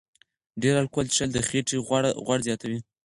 ډېر الکول څښل د خېټې غوړ زیاتوي.